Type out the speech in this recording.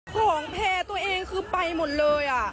ของแพร่ตัวเองคือไปหมดเลย